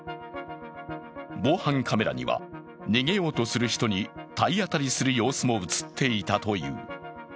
防犯カメラには逃げようとする人に体当たりする様子も映っていたという。